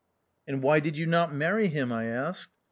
"And why did you not marry him?" I asked.